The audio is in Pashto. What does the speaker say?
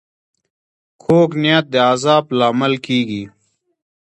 کوږ نیت د عذاب لامل کېږي